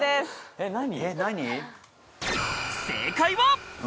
えっ何？